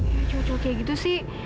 ya cowok cowok kayak gitu sih